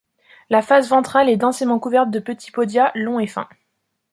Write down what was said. La face ventrale est densément couverte de petits podia, longs et fins.